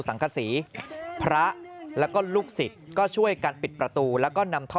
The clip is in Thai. สังกษีพระแล้วก็ลูกศิษย์ก็ช่วยกันปิดประตูแล้วก็นำท่อ